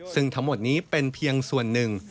ซึ่งทั้งหมดนี้เป็นเพียงส่วนหนึ่ง